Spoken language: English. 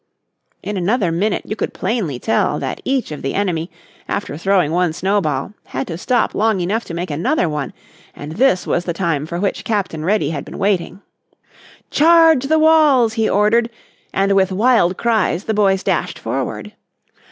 In another minute you could plainly tell that each of the enemy, after throwing one snowball, had to stop long enough to make another one and this was the time for which Captain Reddy had been waiting. "Charge the walls!" he ordered, and with wild cries the boys dashed forward.